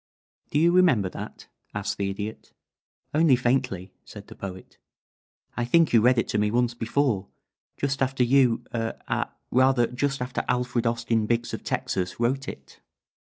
'" "Do you remember that?" asked the Idiot. "Only faintly," said the Poet. "I think you read it to me once before, just after you er ah rather just after Alfred Austin Biggs, of Texas wrote it."